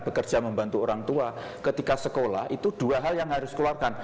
bekerja membantu orang tua ketika sekolah itu dua hal yang harus dikeluarkan